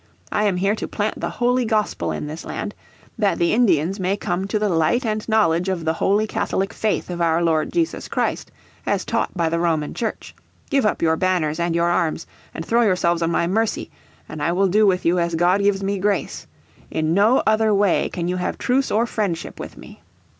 I am here to plant the holy Gospel in this land , that the Indians may come to the light and knowledge of the Holy Catholic, faith of our Lord Jesus Christ, as taught by the Roman Church. Give up your banners and your arms, and throw yourselves on my mercy, and I will do with you as God gives me grace. In no other way can you have truce or friendship with me."